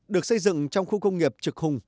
được xây dựng trong khu công nghiệp trực hùng